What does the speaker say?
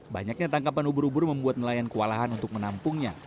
banyaknya tangkapan ubur ubur membuat nelayan kewalahan untuk menampungnya